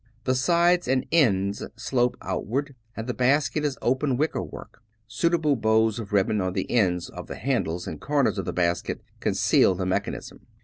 The sides and ends slope outward, and the basket is open wicker work. Suitable bows of ribbon on the ends of the handle and comers of the basket conceal the mechanism.